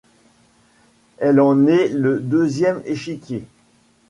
Elle en est le deuxième échiquier.